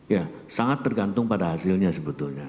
ya sangat tergantung pada hasilnya sebetulnya